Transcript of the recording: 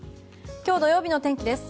今日土曜日の天気です。